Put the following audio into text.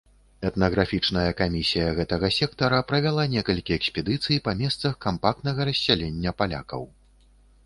Этнаграфічная камісія гэтага сектара правяла некалькі экспедыцый па месцах кампактнага рассялення палякаў.